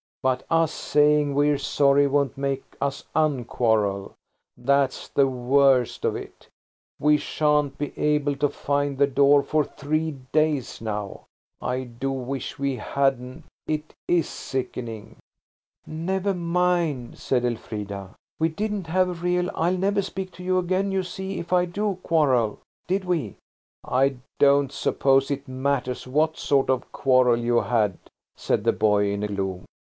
But us saying we're sorry won't make us unquarrel. That's the worst of it. We shan't be able to find The Door for three days now. I do wish we hadn't. It is sickening." "Never mind," said Elfrida; "we didn't have a real I'll never speak to you again you see if I do quarrel, did we?" "I don't suppose it matters what sort of quarrel you had," said the boy in gloom.